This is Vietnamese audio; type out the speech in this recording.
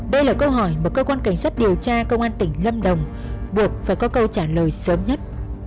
đây là câu hỏi mà cơ quan cảnh sát điều tra công an tỉnh lâm đồng buộc phải có câu trả lời sớm nhất